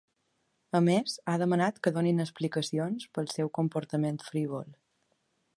A més, ha demanat que donin explicacions pel seu comportament frívol.